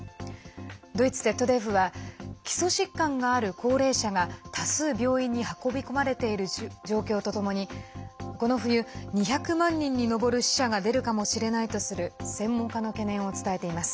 ドイツＺＤＦは、基礎疾患がある高齢者が多数、病院に運び込まれている状況とともにこの冬、２００万人に上る死者が出るかもしれないとする専門家の懸念を伝えています。